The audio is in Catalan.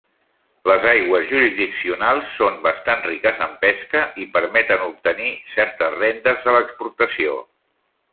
Les aigües jurisdiccionals són bastant riques en pesca i permeten obtenir certes rendes de l'exportació.